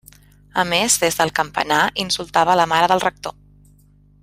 A més, des del campanar insultava la mare del rector.